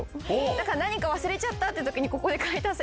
だから何か忘れちゃったって時ここで買い足せる。